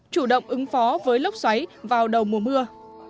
chủ động ứng phó với lốc xoáy vào đầu mùa mưa